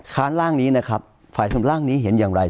ร่างนี้นะครับฝ่ายสำร่างนี้เห็นอย่างไร